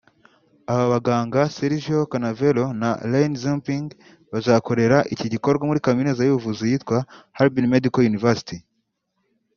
Aba baganga Sergio Canavero na Ren Xiaoping bazakorera iki gikorwa muri Kaminuza y’ubuvuzi yitwa Harbin Medical University